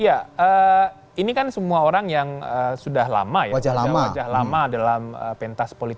ya ini dulu sifat pemerintah